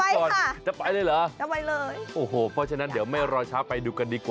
ก็ไปค่ะไปเลยเหรอโอ้โหเพราะฉะนั้นเดี๋ยวไม่รอช้าไปดูกันดีกว่า